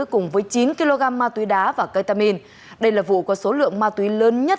cùng với chín kg ma túy đá và ketamin đây là vụ có số lượng ma túy lớn nhất